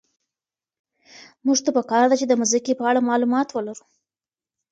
موږ ته په کار ده چي د مځکي په اړه معلومات ولرو.